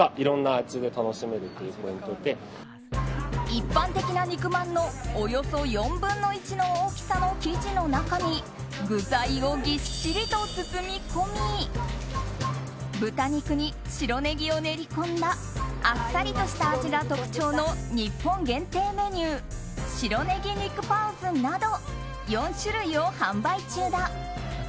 一般的な肉まんのおよそ４分の１の大きさの生地の中に具材をぎっしりと包み込み豚肉に白ネギを練り込んだあっさりとした味が特徴の日本限定メニュー白ネギ肉パオズなど４種類を販売中だ。